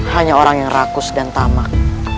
hanya orang yang rakus dan tamak